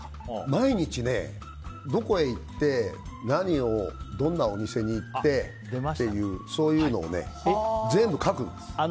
毎日、どこへ行って何をどんなお店に行ってっていうそういうのをね、全部書くんです。